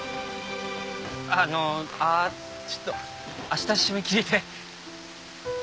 あのちょっと明日締め切りで。